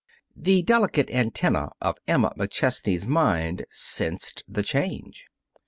The delicate antennae of Emma McChesney's mind sensed the change.